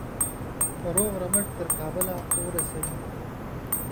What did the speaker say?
روغ رمټ تر کابله ورسوي.